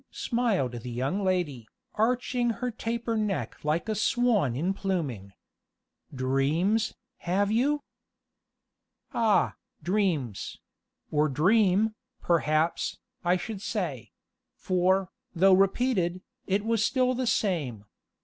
smiled the young lady, arching her taper neck like a swan in pluming. "Dreams, have you?" "Ah, dreams or dream, perhaps, I should say; for, though repeated, it was still the same.